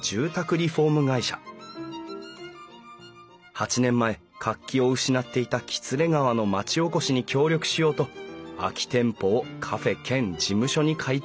８年前活気を失っていた喜連川の町おこしに協力しようと空き店舗をカフェ兼事務所に改築することに。